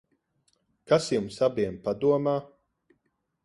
Kas jums abiem padomā?